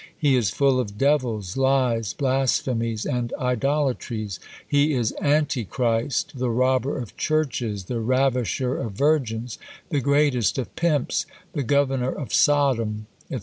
He is full of devils, lies, blasphemies, and idolatries; he is anti Christ; the robber of churches; the ravisher of virgins; the greatest of pimps; the governor of Sodom, &c.